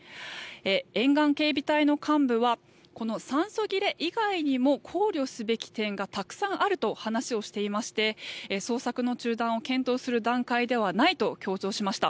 沿岸警備隊の幹部はこの酸素切れ以外にも考慮すべき点がたくさんあると話をしていまして捜索の中断を検討する段階ではないと強調しました。